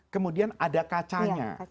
kemudian ada kacanya